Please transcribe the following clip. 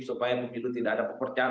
supaya pemilu tidak ada pepercayaan